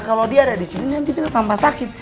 kalau dia ada di sini nanti beta tanpa sakit